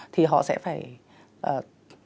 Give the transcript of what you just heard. thì họ sẽ phải tham gia vào đánh bạc